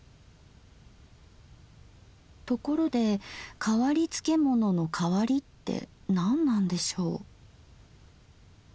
ところで変わり漬物の「変わり」って何なんでしょう？